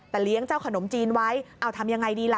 แต่เลี้ยงเจ้าขนมจีนไว้เอาทำยังไงดีล่ะ